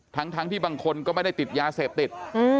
ทั้งที่บางคนก็ไม่ได้ติดยาเสพติด